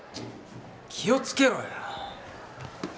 気を付けろよ！